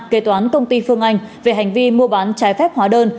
kế toán công ty phương anh về hành vi mua bán trái phép hóa đơn